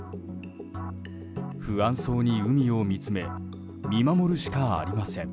不安そうに海を見つめ見守るしかありません。